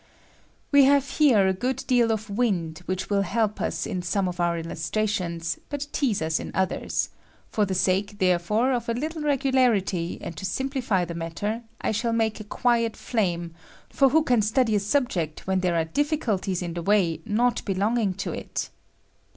We have here a good deal of wind, which will help us in some of our illustrations, but tease us in others ; £dr the sake, therefore, of a little regularity, and to siraplify the matter, I shall make a quiet fiame, for who can study a subject when there are difBculties in the way not belonging to it?